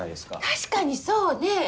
確かにそうね。